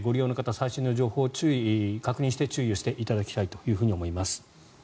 最新の情報を確認して注意していただきたいと思います。